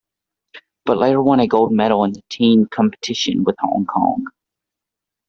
But later won a gold medal in the team competition with Hong Kong.